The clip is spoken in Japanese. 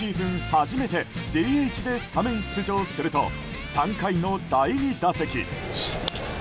初めて、ＤＨでスタメン出場すると３回の第２打席。